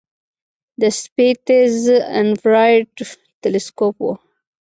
د سپیتزر انفراریډ تلسکوپ و.